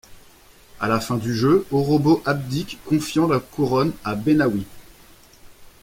À la fin du jeu, Oboro abdique, confiant la couronne à Benawi.